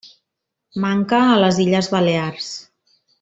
Manca a les Illes Balears.